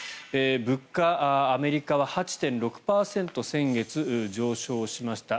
物価、アメリカは８．６％先月、上昇しました。